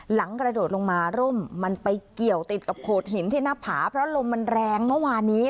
กระโดดลงมาร่มมันไปเกี่ยวติดกับโขดหินที่หน้าผาเพราะลมมันแรงเมื่อวานี้